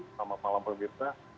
selamat malam pemirsa